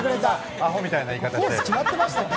アホみたいな言い方で。